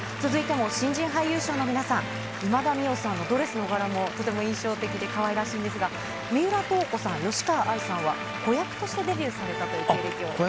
続いても新人俳優賞の皆さん、今田美桜さんのドレスの柄もとても印象的でかわいらしいんですが、三浦透子さん、吉川愛さんは、子役としてデビューされたという経歴を。